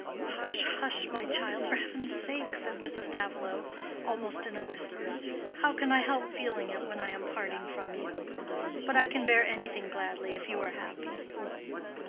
"Hush, hush, my child, for heaven's sake!" said Mrs. Davilow, almost in a whisper. "How can I help feeling it when I am parting from you. But I can bear anything gladly if you are happy."